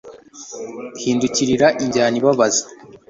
Hindukirira injyana ibabaza